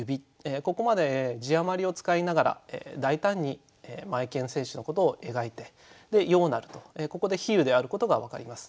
ここまで字余りを使いながら大胆にマエケン選手のことを描いて「ようなる」とここで比喩であることが分かります。